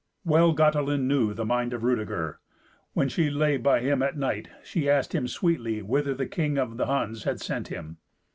Well Gotelind knew the mind of Rudeger. When she lay by him at night, she asked him sweetly whither the king of the Huns had sent him.